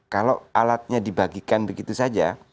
kalau alatnya dibagikan begitu saja